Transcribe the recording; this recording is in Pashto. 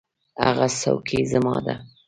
هغه څوکۍ زما ده.